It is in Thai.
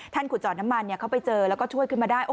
ขุดจอดน้ำมันเขาไปเจอแล้วก็ช่วยขึ้นมาได้